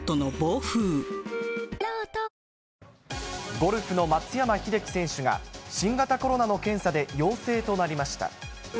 ゴルフの松山英樹選手が、新型コロナの検査で陽性となりました。